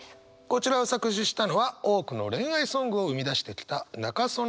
こちらを作詞したのは多くの恋愛ソングを生み出してきた仲宗根泉さんです。